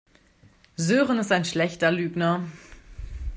Sören ist ein schlechter Lügner.